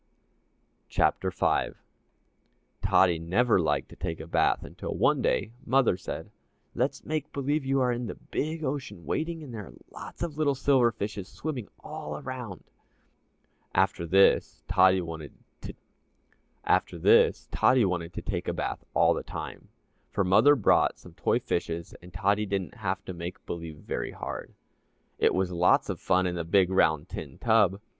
CHAPTER V Tottie never liked to take a bath until one day Mother said: "Let's make believe you are in the big ocean wading and there are lots of little silver fishes swimming all around." [Illustration: It Was Lots of Fun in the Big Round Tin Tub.] After this Tottie wanted to take a bath all the time, for Mother bought some toy fishes and Tottie didn't have to make believe very hard. It was lots of fun in the big round tin tub.